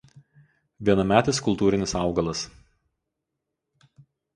Vienametis kultūrinis augalas.